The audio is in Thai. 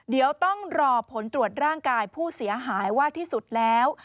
เดี๋ยวต้องรอผลตรวจร่างกายผู้เสียหายว่าที่สุดแล้ว